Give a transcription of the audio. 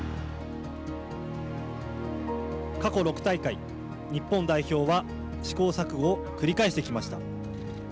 過去６大会日本代表は試行錯誤を繰り返してきました。